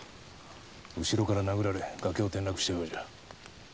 後ろから殴られ崖を転落したようじゃ。